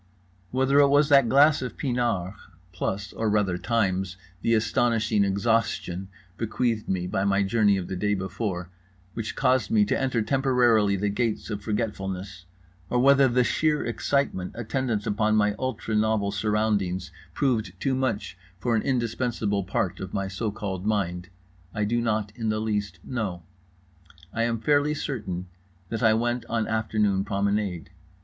Whether it was that glass of pinard (plus, or rather times, the astonishing exhaustion bequeathed me by my journey of the day before) which caused me to enter temporarily the gates of forgetfulness, or whether the sheer excitement attendant upon my ultra novel surroundings proved too much for an indispensable part of my so called mind—I do not in the least know. I am fairly certain that I went on afternoon promenade.